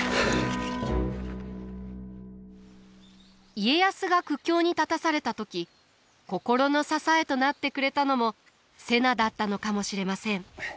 家康が苦境に立たされた時心の支えとなってくれたのも瀬名だったのかもしれません。